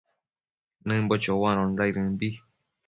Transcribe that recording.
Nëmbo choanondaidëmbi